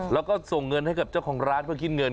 แล้วก็ส่งเงินให้กับเจ้าของร้านเพื่อคิดเงิน